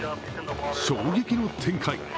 衝撃の展開。